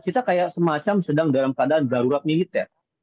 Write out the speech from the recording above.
kita kayak semacam sedang dalam keadaan darurat militer